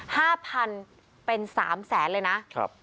ห้าพันเป็นสามแสนเลยนะครับ